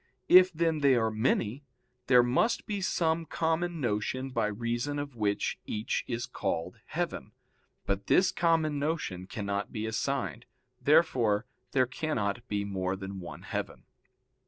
If, then, they are many, there must be some common notion by reason of which each is called heaven, but this common notion cannot be assigned. Therefore there cannot be more than one heaven.